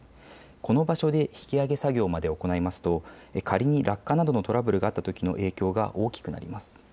この場所で引き揚げ作業まで行いますと仮に落下などのトラブルがあったときの影響が大きくなります。